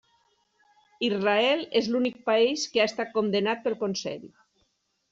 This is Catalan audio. Israel és l'únic país que ha estat condemnat pel Consell.